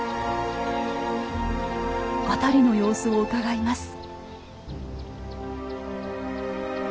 辺りの様子をうかがいます。